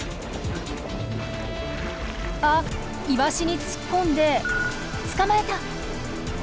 あっイワシに突っ込んで捕まえた！